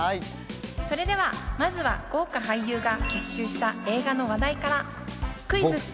それではまずは豪華俳優が結集した映画の話題からクイズッス！